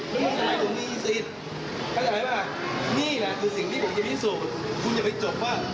เพราะว่าอีกแสดงที่ผมบอกที่มามันไม่ถูกต้อง